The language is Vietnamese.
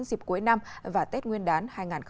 dịp cuối năm và tết nguyên đán hai nghìn hai mươi một